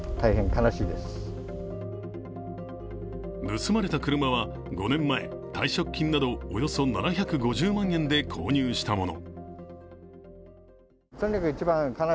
盗まれた車は５年前、退職金などおよそ７５０万円で購入したもの。